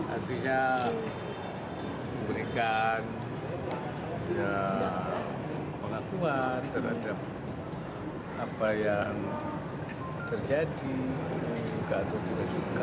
artinya memberikan pengakuan terhadap apa yang terjadi suka atau tidak juga